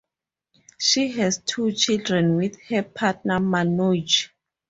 She has two children with her partner Manoj.